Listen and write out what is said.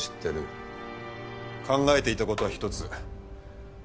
考えていた事は一つ。